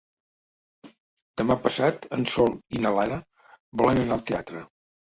Demà passat en Sol i na Lara volen anar al teatre.